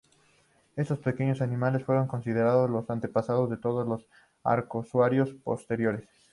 Estos pequeños animales fueron considerados los antepasados de todos los arcosaurios posteriores.